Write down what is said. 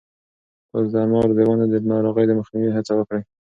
تاسو د انار د ونو د ناروغیو د مخنیوي هڅه وکړئ.